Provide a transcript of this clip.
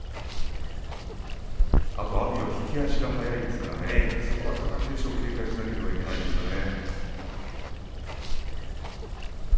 あと阿炎は引き足が速いですからそこを貴景勝は警戒しなければいけませんね。